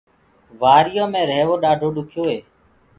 وري يو مي رهيوو ڏآڍو ڏُکيو هي۔